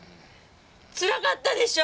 つらかったでしょ？